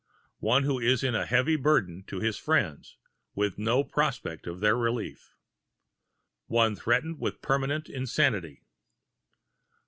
One who is a heavy burden to his friends, with no prospect of their relief. One threatened with permanent insanity.